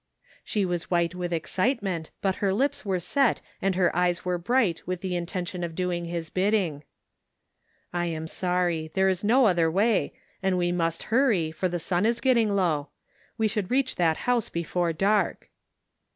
She was white with excitement, but her lips were set and her eyes were bright with the intention of doing his bidding. " I am sorry. There is no other way, and we must hurry, for the sim is getting low. We should reach that house before dark."